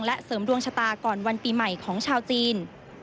และเสริมดวงชะตาก่อนวันปีใหม่ของชาวจีน